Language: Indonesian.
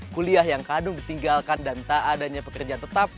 kuliah yang kadung ditinggalkan dan tak adanya pekerjaan tetap